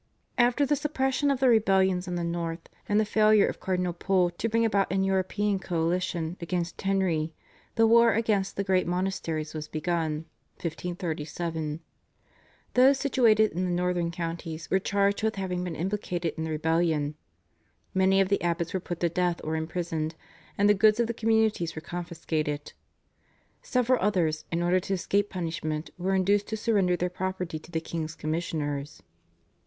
After the suppression of the rebellions in the north and the failure of Cardinal Pole to bring about an European coalition against Henry, the war against the greater monasteries was begun (1537). Those situated in the northern counties were charged with having been implicated in the rebellion. Many of the abbots were put to death or imprisoned, and the goods of the communities were confiscated. Several others in order to escape punishment were induced to surrender their property to the king's commissioners.